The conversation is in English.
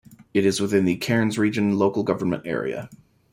It is within the Cairns Region local government area.